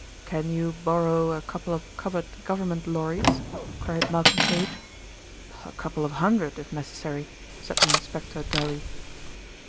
"Can you borrow a couple of covered government lorries?" queried Malcolm Sage. "A couple of hundred if necessary," said the inspector dully.